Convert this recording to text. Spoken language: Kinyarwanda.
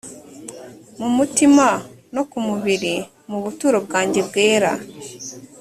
mumutima no ku mubiri mu buturo bwanjye bwera